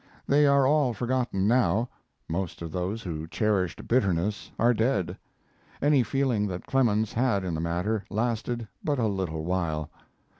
They are all forgotten now; most of those who cherished bitterness are dead. Any feeling that Clemens had in the matter lasted but a little while.